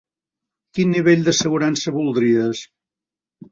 Quin nivell d'assegurança voldries?